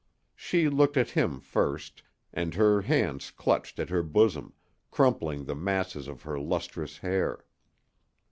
She looked at him first, and her hands clutched at her bosom, crumpling the masses of her lustrous hair.